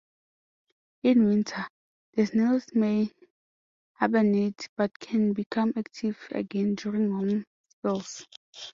In winter, the snails may hibernate, but can become active again during warm spells.